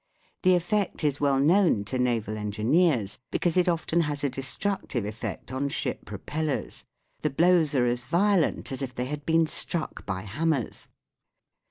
The effect is well known to naval engineers, because it often has a destructive effect on ship propellers ; the blows are as violent as if they had been struck by hammers.